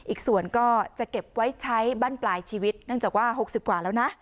อีกส่วนก็จะเก็บไว้ใช้บ้านปลายชีวิตเนื่องจากว่า๖๐กว่าแล้วนะ